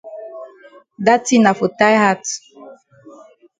Da tin na for tie hat.